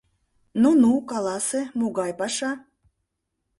— Ну-ну, каласе, могай паша?